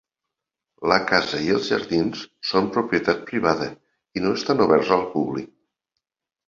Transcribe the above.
La casa i els jardins són propietat privada i no estan oberts al públic.